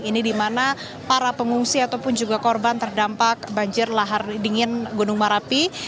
ini di mana para pengungsi ataupun juga korban terdampak banjir lahar dingin gunung merapi